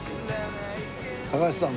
高橋さん